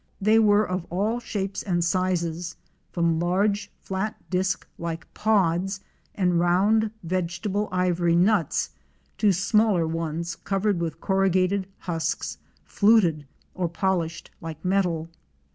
They were of all shapes and sizes — from large flat disk like pods and round vegetable ivory nuts, to smaller ones covered with corrugated husks, fluted or polished like metal.